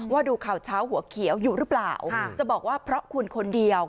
ดูข่าวเช้าหัวเขียวอยู่หรือเปล่าจะบอกว่าเพราะคุณคนเดียว